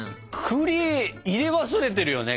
くり入れ忘れてるよね